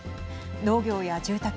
農業や住宅